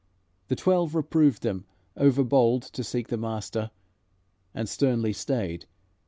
The twelve reproved them: 'Overbold To seek the Master;' and sternly stayed.